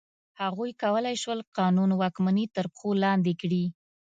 هغوی کولای شول قانون واکمني تر پښو لاندې کړي.